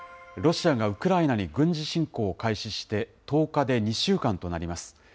ロシアがウクライナに軍事侵攻を開始して１０日で２週間となります。